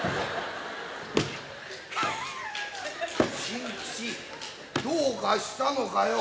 新吉どうかしたのかよ。